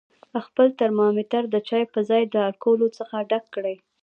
خپل ترمامتر د چای په ځای له الکولو څخه ډک کړئ.